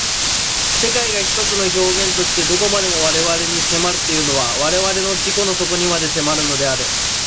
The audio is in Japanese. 世界が一つの表現として何処までも我々に迫るというのは我々の自己の底にまで迫るのである。